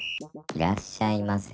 いらっしゃいませ！